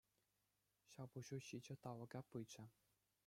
Ҫапӑҫу ҫичӗ талӑка пычӗ.